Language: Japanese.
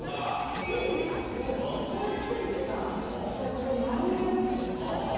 ペリーさんのここに付いてたこういう丸いやつ。